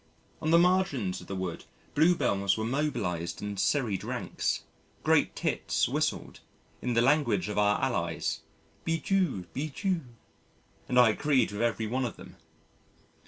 On the margins of the wood, Bluebells were mobilised in serried ranks. Great Tits whistled in the language of our allies "Bijou, Bijou" and I agreed with every one of them.